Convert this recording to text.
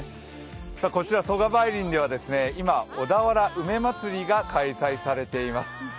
こちら曽我梅林では今、小田原梅まつりが開催されています。